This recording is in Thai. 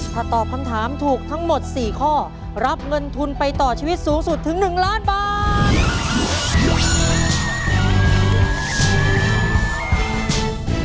ถ้าตอบคำถามถูกทั้งหมด๔ข้อรับเงินทุนไปต่อชีวิตสูงสุดถึง๑ล้านบาท